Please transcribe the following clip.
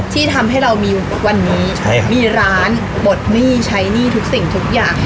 ที่ทำให้เรามีวันนี้มีร้านปลดหนี้ใช้หนี้ทุกสิ่งทุกอย่าง